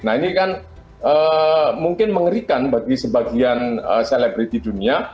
nah ini kan mungkin mengerikan bagi sebagian selebriti dunia